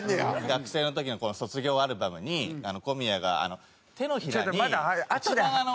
学生の時の卒業アルバムに小宮が手のひらに。